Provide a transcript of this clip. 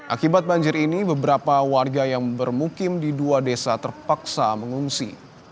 akibat banjir ini beberapa warga yang bermukim di dua desa terpaksa mengungsi